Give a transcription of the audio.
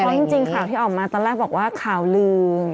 เพราะจริงข่าวที่ออกมาตอนแรกบอกว่าข่าวลืม